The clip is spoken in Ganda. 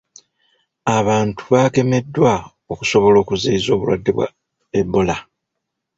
Abantu bagemeddwa okusobola okuziyiza obulwadde bwa Ebola.